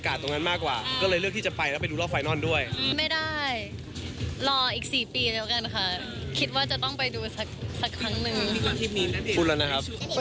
คิดว่าจะต้องไปดูสักครั้งนึง